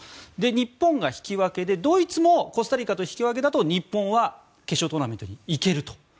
日本が引き分けでドイツもコスタリカと引き分けだと日本は決勝トーナメントに行けると。